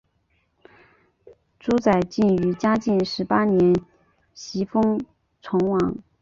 朱载境于嘉靖十八年袭封崇王。